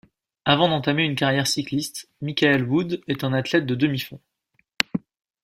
Avant d'entamer une carrière cycliste, Michael Woods est un athlète de demi-fond.